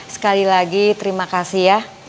sekali lagi terima kasih ya